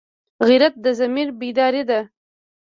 غیرت د ضمیر بیداري ده